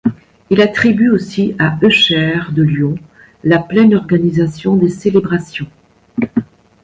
Il attribue aussi à Eucher de Lyon la pleine organisation des célébrations.